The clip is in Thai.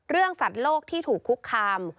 เรื่องสัตว์โลกที่ถูกคุกคาม